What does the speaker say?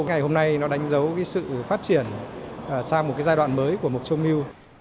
ngày hôm nay nó đánh dấu sự phát triển sang một giai đoạn mới của mộc châu milk